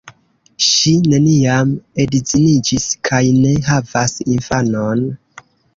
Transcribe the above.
Ŝi neniam edziniĝis kaj ne havas infanon.